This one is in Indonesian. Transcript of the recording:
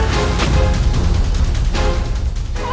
tuh siar putraku